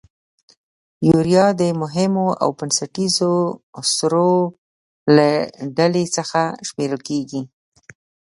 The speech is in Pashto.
یوریا د مهمو او بنسټیزو سرو له ډلې څخه شمیرل کیږي.